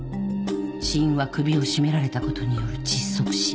「死因は首を絞められたことによる窒息死」